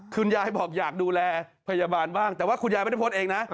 คุณยายบอกอยากดูแลพยาบาลบ้างแต่ว่าคุณยายไม่ได้โพสต์เองนะ